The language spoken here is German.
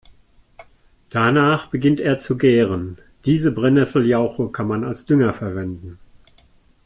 Danach beginnt er zu gären. Diese Brennesseljauche kann man als Dünger verwenden.